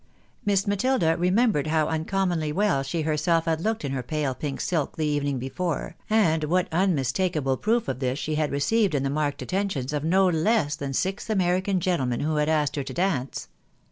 Miss jNIatilda remembered how uncommonly well she herself had looked in her pale pink silk the evening before, and what unmistakable proof of this she had received in the marked attentions of no less than six American gentlemen who had asked her to dance.